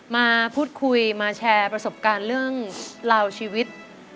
มาพูดคุยมาแชร์ประสบการณ์เรื่องราวชีวิต